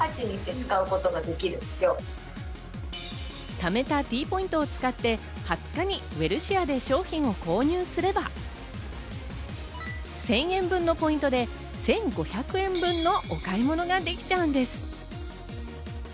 貯めたＴポイントを使って２０日にウエルシアで商品を購入すれば、１０００円分のポイントで１５００円分のお買い物ができちゃうんです。